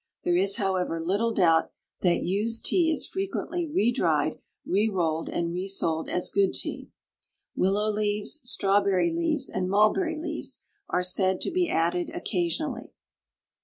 There is, however, little doubt that used tea is frequently redried, rerolled, and resold as good tea. Willow leaves, strawberry leaves, and mulberry leaves are said to be added occasionally.